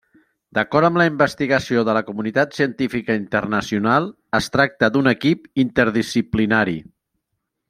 D’acord amb la investigació de la comunitat científica internacional, es tracta d’un equip interdisciplinari.